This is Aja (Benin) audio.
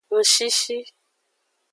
Ngshishi.